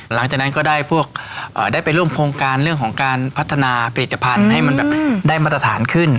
หลังจากนั้นก็ได้พวกได้ไปร่วมโครงการเรื่องของการพัฒนาผลิตภัณฑ์ให้มันแบบได้มาตรฐานขึ้น